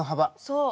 そう。